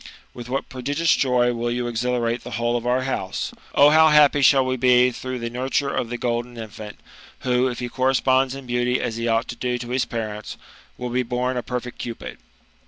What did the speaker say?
With what prodigious joy will you exhilarate the whole of our house I O how happy shall we be through the nurture of the golden infant, who^ if he corresponds in beauty as he ought to do to his parents, will be born a perfect Cupid."